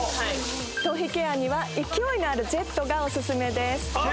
頭皮ケアには勢いのあるジェットがお薦めです。